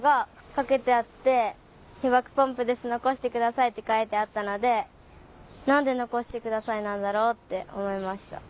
「被爆ポンプです残して下さい」って書いてあったので何で「残して下さい」なんだろう？って思いました。